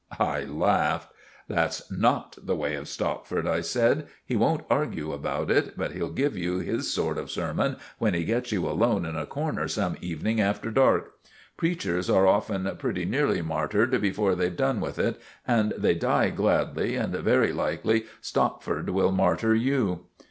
I laughed. "That's not the way of Stopford," I said. "He won't argue about it; but he'll give you his sort of sermon when he gets you alone in a corner some evening after dark. Preachers are often pretty nearly martyred before they've done with it; and they die gladly; and very likely Stopford will martyr you."